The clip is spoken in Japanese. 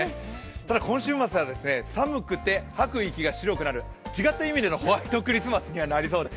ただ今週末は寒くて吐く息が白くなる、違った意味でのホワイトクリスマスになりそうです。